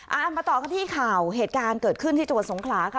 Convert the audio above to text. เอามาต่อกันที่ข่าวเหตุการณ์เกิดขึ้นที่จังหวัดสงขลาค่ะ